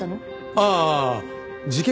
ああ事件